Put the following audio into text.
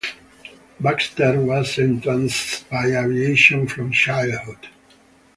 Baxter was entranced by aviation from childhood.